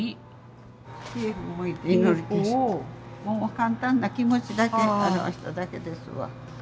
簡単な気持ちだけ表しただけですわ。